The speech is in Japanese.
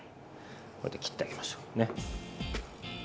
こうやって切ってあげましょうね。